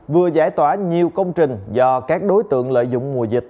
vừa giải tỏa nhiều công trình do các đối tượng lợi dụng mùa dịch